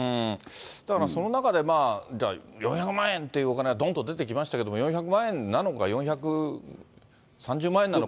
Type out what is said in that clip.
だからその中で、４００万円っていうお金がどんと出てきましたけど、４００万円なのか、４３０万円なのか。